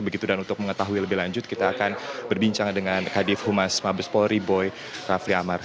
begitu dan untuk mengetahui lebih lanjut kita akan berbincang dengan kadif humas mabes polri boy rafli amar